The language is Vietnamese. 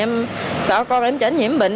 em sợ con em chả nhiễm bệnh